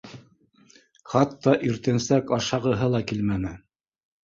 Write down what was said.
Хатта иртәнсәк ашағыһы ла килмәне.